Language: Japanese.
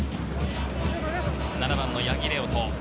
７番の八木玲央翔。